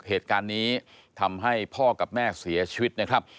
เหตุการณ์นี้ทำให้พ่อกับแม่เสียชีวิตนะครับ